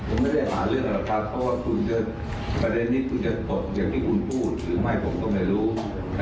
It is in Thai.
คุณผู้ช่วยพิสัยเตรียมยังนะคะ